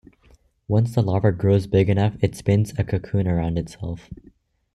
Once the larva grows big enough it spins a cocoon around itself.